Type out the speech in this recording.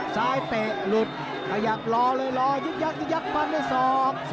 ซ้ายเตะหลุดอยากรอเลยรอยยึดยักษ์ยึดยักษ์ปั้นด้วยสอบ